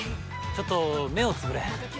ちょっと目をつぶれ。